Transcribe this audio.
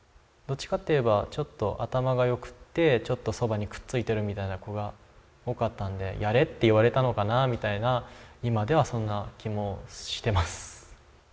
どっちかと言えばちょっと頭がよくてちょっとそばにくっついてるみたいな子が多かったのでやれって言われたのかなみたいな今ではそんな気もしてます。